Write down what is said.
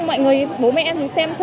mọi người bố mẹ em thì xem thử